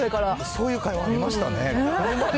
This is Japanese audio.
そういう会話ありましたね。